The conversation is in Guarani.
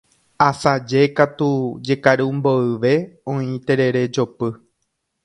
Asaje katu, jekaru mboyve, oĩ terere jopy.